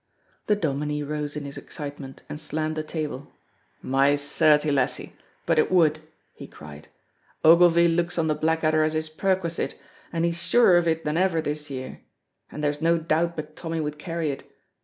The Dominie rose in his excitement and slammed the table, "My certie, lassie, but it would!" he cried, "Ogilvy looks on the Blackadder as his perquisite, and he's surer of it than ever this year. And there's no doubt but Tommy would carry it.